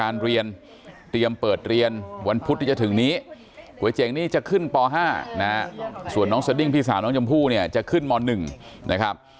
เริ่มเปิดเรียนวันพุธที่จะถึงนี้ก๋วยเจ๋งนี้จะขึ้นป๕ส่วนน้องเสดิ้งพี่สาวน้องชมพู่จะขึ้นม๑นะครับ